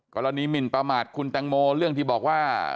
หมินประมาทคุณแตงโมเรื่องที่บอกว่า